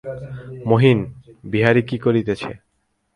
মহিন, বিহারী কী করিতেছে।